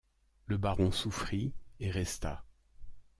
Le baron souffrit et resta.